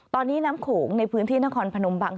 ตอนนี้น้ำโขงในพื้นที่นครพนมบาง